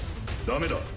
ダメだ。